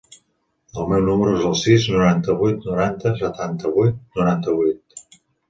El meu número es el sis, noranta-vuit, noranta, setanta-vuit, noranta-vuit.